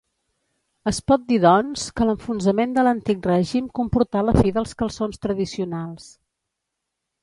Es pot dir, doncs, que l'enfonsament de l'Antic Règim comportà la fi dels calçons tradicionals.